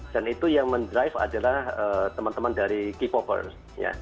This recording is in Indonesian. dan itu yang mendrive adalah teman teman dari k popers